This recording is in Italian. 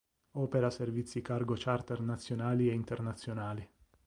Opera servizi cargo charter nazionali e internazionali.